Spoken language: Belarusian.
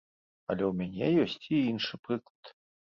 Але ў мяне ёсць і іншы прыклад.